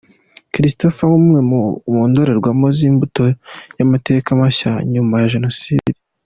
Christopher nk’umwe mu ndorerwamo z’imbuto y’amateka mashya nyuma ya Jenoside.